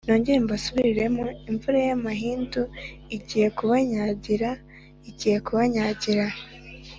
nongere mbasubiriremo, imvura y’amahindu igiye kubanyagira, igiye kubanyagira.